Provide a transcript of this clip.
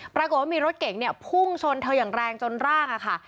ปรากฏว่ามีรถเก่งเนี่ยพุ่งชนเธออย่างแรงจนร่างอะค่ะ